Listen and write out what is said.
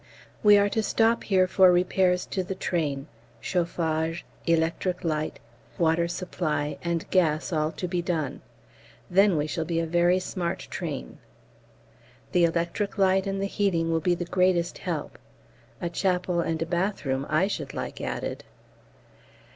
We are to stop here for repairs to the train chauffage, electric light, water supply, and gas all to be done. Then we shall be a very smart train. The electric light and the heating will be the greatest help a chapel and a bathroom I should like added!